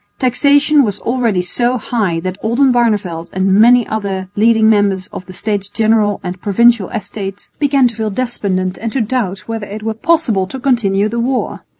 Taxation was already So high that Oldenbarneveldt and many other leading members of the States General and Provincial Estates began to feel despondent and to doubt whether it were possible to continue the war.